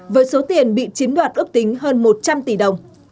với số tiền bị chiếm đoạt ước tính hơn một trăm linh tỷ đồng